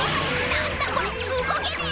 なんだこれうごけねえ。